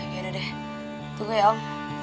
ya udah deh tunggu ya um